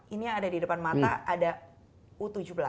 ini yang ada di depan mata ada u tujuh belas